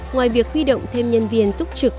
ngoài việc ghi động thêm nhân viên túc trực